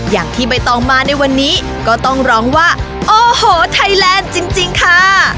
อย่างที่ใบตองมาในวันนี้ก็ต้องร้องว่าโอ้โหไทยแลนด์จริงค่ะ